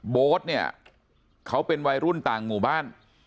โบ๊ทเนี่ยเขาเป็นวัยรุ่นต่างหมู่บ้าน